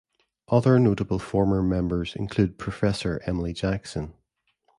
Other notable former members include Professor Emily Jackson.